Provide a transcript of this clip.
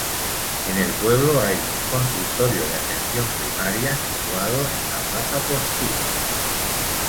En el pueblo hay un consultorio de atención primaria situado en la plaza Postigo.